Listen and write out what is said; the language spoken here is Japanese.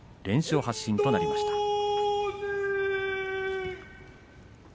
連勝発進となりました。